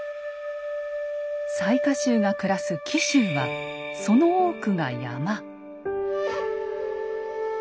雑賀衆が暮らす紀州はその多くが山。